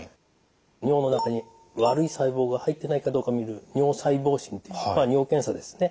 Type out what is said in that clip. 尿の中に悪い細胞が入ってないかどうか診る尿細胞診っていうまあ尿検査ですね。